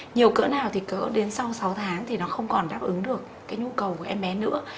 nhiều cỡ nào thì cỡ đến sau sáu tháng thì nó không còn đáp ứng được cái nhu cầu của em bé nữa